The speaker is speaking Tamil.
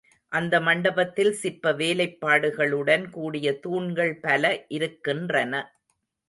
அந்த மண்டபத்தில் சிற்ப வேலைப்பாடுகளுடன் கூடிய தூண்கள் பல இருக்கின்றன.